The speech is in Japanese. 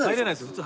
普通。